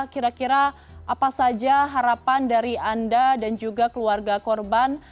kira kira apa saja harapan dari anda dan juga keluarga korban